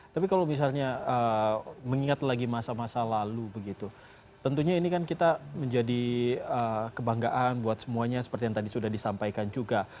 tapi kalau misalnya mengingat lagi masa masa lalu begitu tentunya ini kan kita menjadi kebanggaan buat semuanya seperti yang tadi sudah disampaikan juga